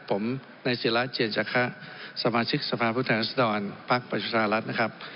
ผมในเสียราชเจียนจากค่าสมาชิกสภาพุทธรรมสัตวรรคปรัชฌาลัศน์นะครับ